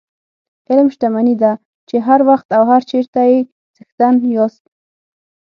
علم شتمني ده چې هر وخت او هر چېرته یې څښتن یاست.